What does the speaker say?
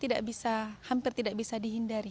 tidak bisa hampir tidak bisa dihindari